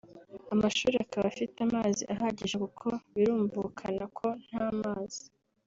amashuri akaba afite amazi ahagije kuko birumvukana ko nta mazi